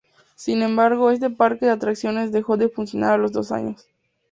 Sin embargo este parque de atracciones dejó de funcionar a los dos años.